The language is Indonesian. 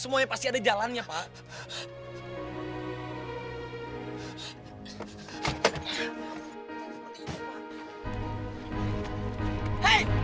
semuanya pasti ada jalannya pak